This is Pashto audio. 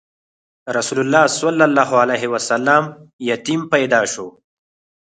رسول الله ﷺ یتیم پیدا شو.